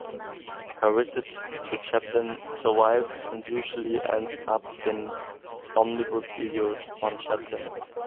Her visit to Chaplin survives and usually ends up in omnibus videos on Chaplin.